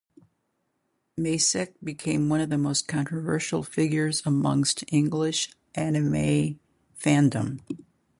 Macek became one of the most controversial figures amongst English anime fandom.